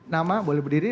nama boleh berdiri